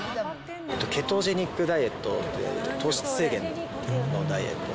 ケトジェニックダイエットっていって、糖質制限のダイエット。